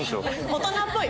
大人っぽい。